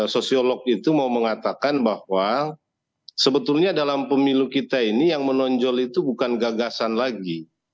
sosiolog itu mau mengatakan bahwa sebetulnya dalam pemilu kita ini yang menonjol itu bukan gagasan lagi